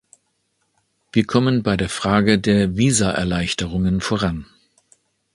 Wir kommen bei der Frage der Visaerleichterungen voran.